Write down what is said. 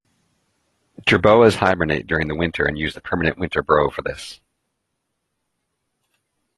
Jerboas hibernate during the winter and use the permanent winter burrow for this.